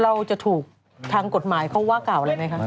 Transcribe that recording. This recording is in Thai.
เราจะถูกทางกฎหมายเขาว่ากล่าวอะไรไหมคะ